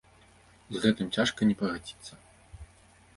З гэтым цяжка не пагадзіцца.